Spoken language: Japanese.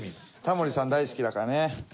タモリさん大好きだからね。